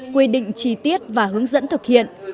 quy định chi tiết và hướng dẫn thực hiện